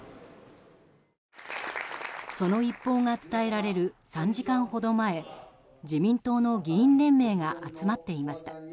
その一報が伝えられる３時間ほど前自民党の議員連盟が集まっていました。